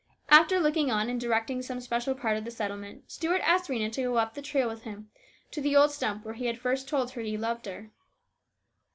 After looking on and directing some special part of the settlement, Stuart asked Rhena to go up the trail with him to the old stump where he had first told her he loved her.